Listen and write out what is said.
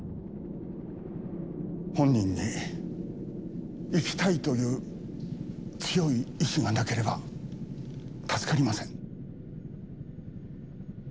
本人に「生きたい」という強い意志がなければ助かりません。